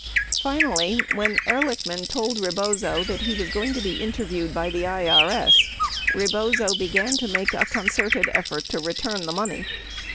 Finally when Ehrlichman told Rebozo that he was going to be interviewed by the IRS, Rebozo began to make a concerted effort to return the money.